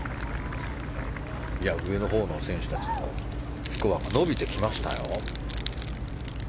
上のほうの選手たちもスコアが伸びてきましたよ。